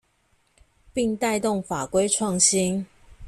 並帶動法規創新